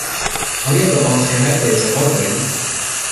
آیا به آخرت اعتقاد داری؟